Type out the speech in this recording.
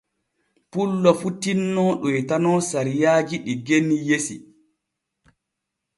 Pullo fu tinno ɗoytano sariyaaji ɗi genni yesi.